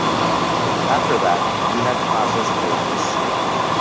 After that, Midhat Pasha's fate was sealed.